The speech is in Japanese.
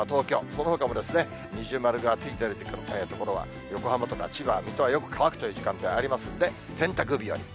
そのほかも二重丸がついてる時間帯の所は、横浜とか千葉、水戸はよく乾くという時間帯ありますんで、洗濯日和。